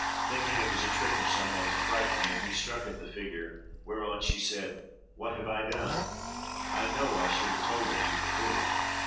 Thinking it was a trick of some one to frighten him, he struck at the figure; whereon she said: "What have I done? I know I should have told it you before."